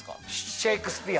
シェイクスピア。